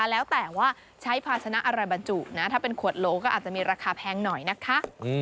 แล้วแต่ว่าใช้ภาชนะอะไรบรรจุนะถ้าเป็นขวดโลก็อาจจะมีราคาแพงหน่อยนะคะ